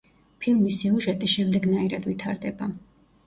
ფილმის სიუჟეტი შემდეგნაირად ვითარდება.